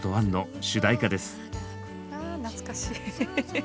あ懐かしい。